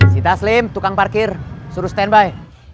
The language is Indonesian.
sita slim tukang parkir suruh standby